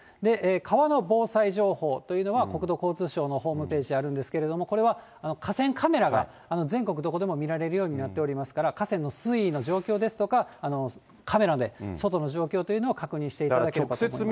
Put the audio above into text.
川の防災情報というのは、国土交通省のホームページ、あるんですけれども、これは河川カメラが全国どこでも見られるようになっておりますから、河川の水位の状況ですとか、カメラで外の状況というのを確認していただければと思います。